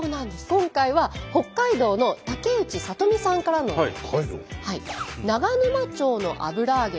今回は北海道の竹内さとみさんからのお便りです。